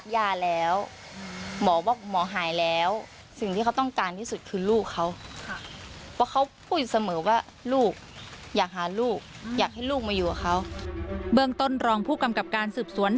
เบื้องต้นรองผู้กำกับการสืบสวน